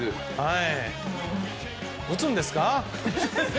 打つんですか？